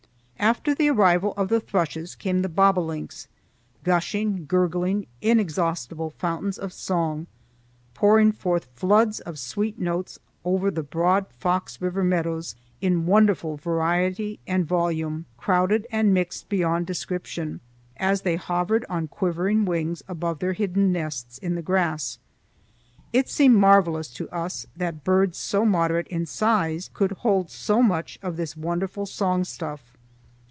After the arrival of the thrushes came the bobolinks, gushing, gurgling, inexhaustible fountains of song, pouring forth floods of sweet notes over the broad Fox River meadows in wonderful variety and volume, crowded and mixed beyond description, as they hovered on quivering wings above their hidden nests in the grass. It seemed marvelous to us that birds so moderate in size could hold so much of this wonderful song stuff.